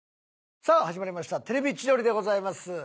さあ始まりました『テレビ千鳥』でございます。